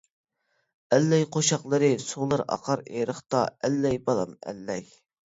ئەللەي قوشاقلىرى سۇلار ئاقار ئېرىقتا، ئەللەي بالام، ئەللەي.